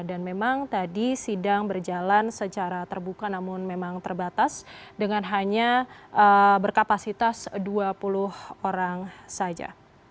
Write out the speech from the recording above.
dan memang tadi sidang berjalan secara terbuka namun memang terbatas dengan hanya berkapasitas dua puluh orang saja